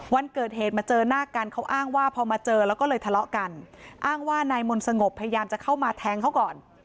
วันเกิดเหตุมาเจอหน้ากันเขาอ้างว่าพอมาเจอแล้วก็เลยทะเลาะกันอ้างว่านายมนต์สงบพยายามจะเข้ามาแทงเขาก่อน